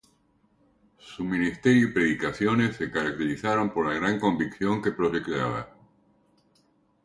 Su ministerio y predicaciones se caracterizaron por la gran convicción que proyectaba.